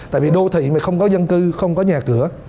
tại vì đô thị mà không có dân cư không có nhà cửa